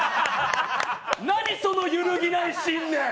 何、その揺るぎない信念！